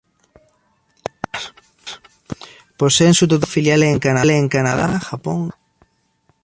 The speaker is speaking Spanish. Además, posee en su totalidad filiales en Canadá, Japón y Corea.